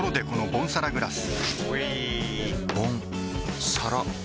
ボンサラグラス！